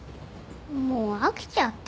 もう飽きちゃった。